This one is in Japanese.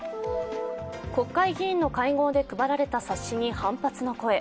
国会議員の会合で配られた冊子に反発の声。